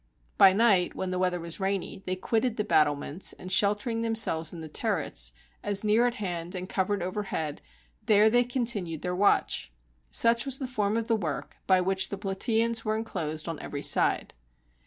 By night, when the weather was rainy, they quitted the battlements, and sheltering themselves in the turrets, as near at hand and covered overhead, there they continued their watch. Such was the form of the work by which the Plataeans were enclosed on every side.